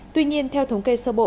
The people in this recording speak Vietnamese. tuy nhiên theo thống kê sơ bộ